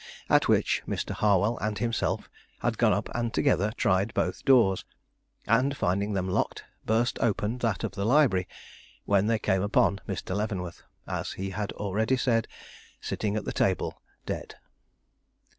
At which Mr. Harwell and himself had gone up and together tried both doors, and, finding them locked, burst open that of the library, when they came upon Mr. Leavenworth, as he had already said, sitting at the table, dead.